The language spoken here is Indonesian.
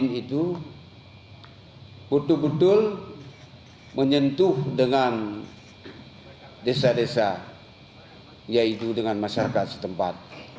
mungkin ada daerah daerah babin itu betul betul menyentuh dengan desa desa yaitu dengan masyarakat setempat